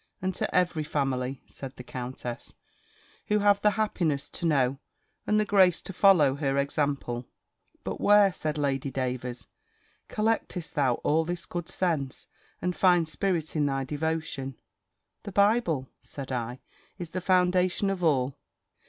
"And to every family," said the countess, "who have the happiness to know, and the grace to follow, her example!" "But where," said Lady Davers, "collectedst thou all this good sense, and fine spirit in thy devotion?" "The Bible," said I, "is the foundation of all."